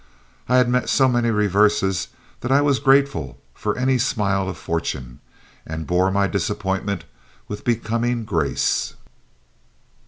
I had met so many reverses that I was grateful for any smile of fortune, and bore my disappointment with becoming grace.